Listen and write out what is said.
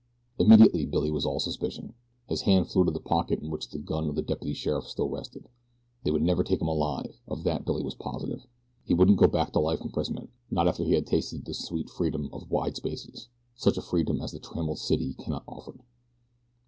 Immediately Billy was all suspicion. His hand flew to the pocket in which the gun of the deputy sheriff still rested. They would never take him alive, of that Billy was positive. He wouldn't go back to life imprisonment, not after he had tasted the sweet freedom of the wide spaces such a freedom as the trammeled city cannot offer.